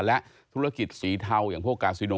และธุรกิจสีเทาอย่างพวกกาซิโน